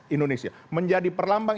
indonesia menjadi perlambang